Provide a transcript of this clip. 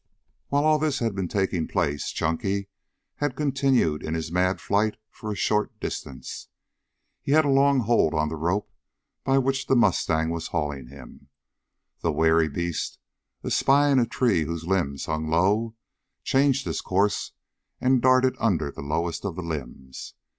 While all this had been taking place Chunky had continued in his mad flight for a short distance. He had a long hold on the rope by which the mustang was hauling him. The wary beast, espying a tree whose limbs hung low, changed his course and darted under the lowest of the limbs.